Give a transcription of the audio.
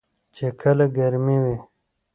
چې کله ګرمې وي .